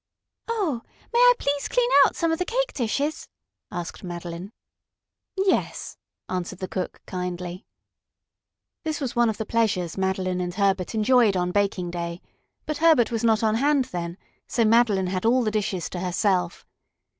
"Oh, may I please clean out some of the cake dishes?" asked Madeline. "Yes," answered the cook kindly. This was one of the pleasures Madeline and Herbert enjoyed on baking day, but Herbert was not on hand then, so Madeline had all the dishes to herself.